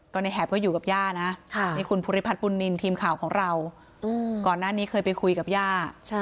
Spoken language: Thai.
ก็ในแหบก็อยู่กับย่านะนี่คุณภูริพัฒนบุญนินทีมข่าวของเราก่อนหน้านี้เคยไปคุยกับย่า